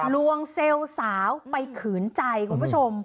วงเซลล์สาวไปขืนใจคุณผู้ชม